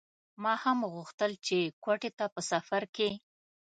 ما هم غوښتل چې کوټې ته په سفر کې.